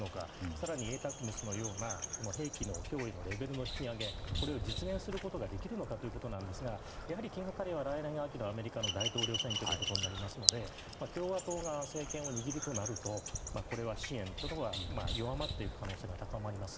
更にＡＴＡＣＭＳのような兵器の供与のレベルの引き上げを実現することができるのかということですがやはり気がかりなのは来年の秋のアメリカの大統領選なので共和党が政権を握るとなるとこれは支援は弱まっていく可能性が高まります。